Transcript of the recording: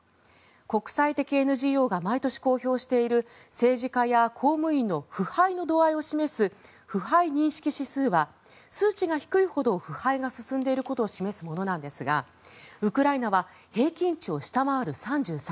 国際的ＮＧＯが毎年公表している政治家や公務員の腐敗の度合いを示す腐敗認識指数は数値が低いほど腐敗が進んでいることを示すものなんですがウクライナは平均値を下回る３３。